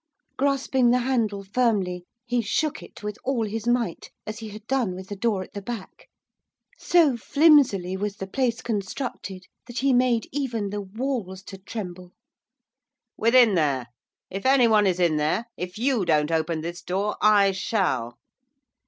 Grasping the handle firmly, he shook it with all his might, as he had done with the door at the back. So flimsily was the place constructed that he made even the walls to tremble. 'Within there! if anyone is in there! if you don't open this door, I shall.